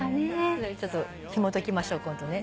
ちょっとひもときましょう今度ね。